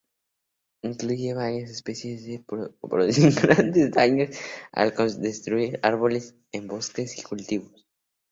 Incluye varias especies que producen grandes daños al destruir árboles en bosques y cultivos.